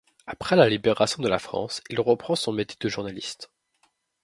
Après la Libération de la France, il reprend son métier de journaliste.